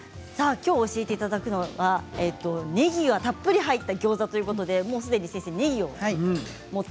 きょう教えていただくのはねぎがたっぷり入ったギョーザということで、すでに先生ねぎを持って。